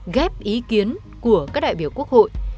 ghép ý kiến của các đại biểu quốc hội